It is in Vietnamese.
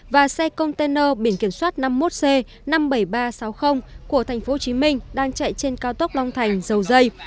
và xe container biển kiểm soát năm mươi một c năm mươi bảy nghìn ba trăm sáu mươi của tp hcm đang chạy trên cao tốc long thành dầu dây